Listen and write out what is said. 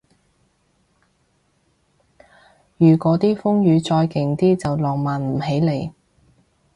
如嗰啲風雨再勁啲就浪漫唔起嘞